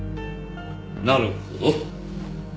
なるほど。